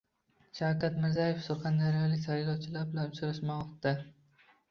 Shavkat Mirziyoyev surxondaryolik saylovchilar bilan uchrashmoqda